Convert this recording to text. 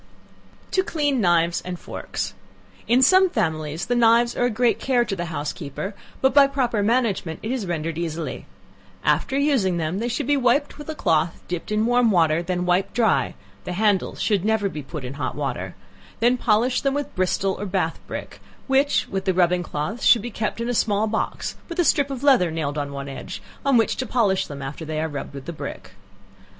To Clean Knives and Forks. In some families the knives are a great care to the housekeeper, but by proper management it is rendered easy. After using them, they should be wiped with a cloth, dipped in warm water, then wiped dry, (the handles should never be put in hot water,) then polish them with Bristol or Bath brick, which, with the rubbing cloths, should be kept in a small box, with a strip of leather nailed on one edge, on which to polish them after they are rubbed with the brick.